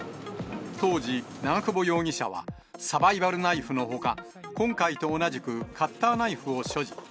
当時、長久保容疑者はサバイバルナイフのほか、今回と同じくカッターナイフを所持。